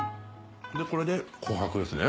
これで琥珀ですね？